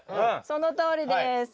そのとおりです。